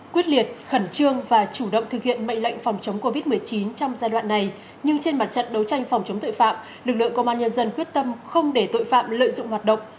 quyết liệt khẩn trương và chủ động thực hiện mệnh lệnh phòng chống covid một mươi chín trong giai đoạn này nhưng trên mặt trận đấu tranh phòng chống tội phạm lực lượng công an nhân dân quyết tâm không để tội phạm lợi dụng hoạt động